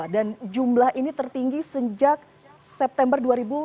dan jumlah ini tertinggi sejak september dua ribu dua puluh satu